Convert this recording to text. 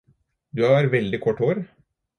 Du har veldig kort hår.